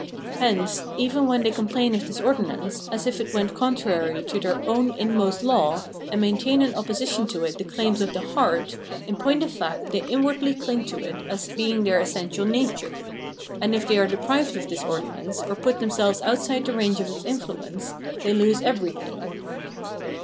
Hence, even when they complain of this ordinance, as if it went contrary to their own inmost law, and maintain in opposition to it the claims of the " heart," in point of fact they inwardly cUng to it as being their essential nature ; 366 Phenomenology of Mind and if they are deprived of this ordinance, or put them selves outside the range of its influence, they lose every thing.